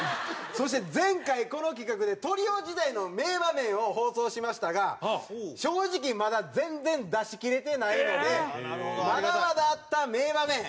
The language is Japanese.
そして前回この企画でトリオ時代の名場面を放送しましたが正直まだ全然出しきれてないのでまだまだあった名場面